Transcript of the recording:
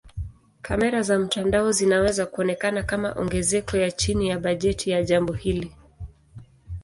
Kamera za mtandao zinaweza kuonekana kama ongezeko ya chini ya bajeti ya jambo hili.